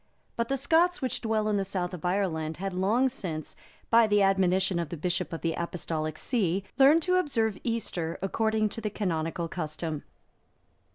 But the Scots which dwelt in the South of Ireland had long since, by the admonition of the Bishop of the Apostolic see, learned to observe Easter according to the canonical custom.